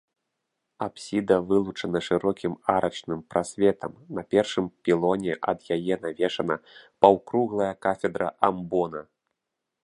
Апсіда вылучана шырокім арачным прасветам, на першым пілоне ад яе навешана паўкруглая кафедра амбона.